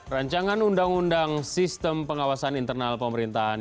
rancangan undang undang sistem pengawasan internal pemerintahan